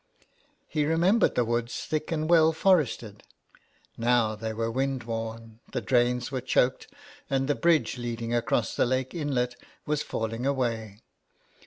He remembered the woods thick and well forested; now they were windworn, the drains were choked, and the bridge leading across the lake inlet was falling away.